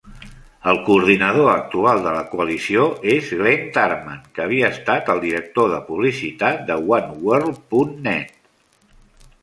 El coordinador actual de la coalició és Glen Tarman, que havia estat el director de publicitat de OneWorld punt net.